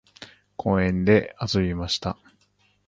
公園で遊びました。